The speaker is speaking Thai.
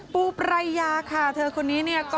ปูปรายยาค่ะเธอคนนี้เนี่ย